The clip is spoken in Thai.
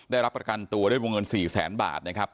ได้รับประกันตัวด้วยวงเงิน๔แสนบาทนะครับ